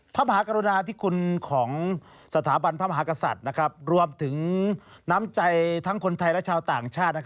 พระมหากรุณาธิคุณของสถาบันพระมหากษัตริย์รวมถึงน้ำใจทั้งคนไทยและชาวต่างชาติ